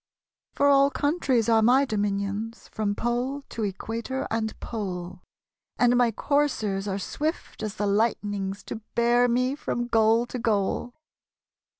For all countries are my dominionSj From pole to equator and pole; And my coursers are swift as the light'nings To bear me from goal to goal.